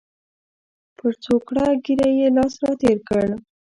پر څوکړه ږیره یې لاس را تېر کړ.